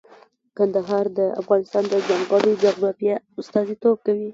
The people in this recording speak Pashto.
کندهار د افغانستان د ځانګړي جغرافیه استازیتوب کوي.